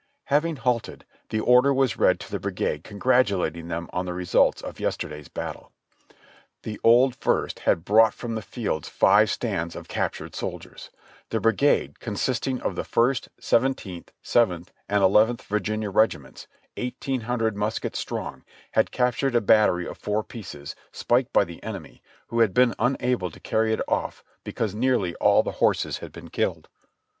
Having halted, the order was read to the brigade congratulating them on the results of yesterday's battle. The old First had brought from the field five stands of captured colors. The bri gade, consisting of the First, Seventeenth, Seventh, and Eleventh Virginia Regiments, eighteen hundred muskets strong, had cap tured a battery of four pieces, spiked by the enemy, who had been unable to carry it ofT because nearly all the horses had been killed.